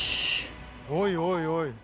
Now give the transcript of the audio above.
おいおいおい。